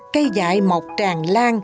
cây dại mọc tràn lan